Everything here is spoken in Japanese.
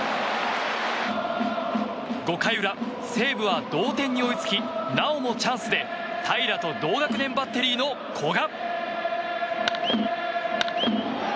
５回裏、西武は同点に追いつきなおもチャンスで平良と同学年バッテリーの古賀。